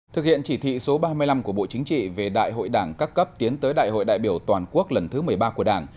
thực hiện chỉ thị số ba mươi năm của bộ chính trị về đại hội đảng các cấp tiến tới đại hội đại biểu toàn quốc lần thứ một mươi ba của đảng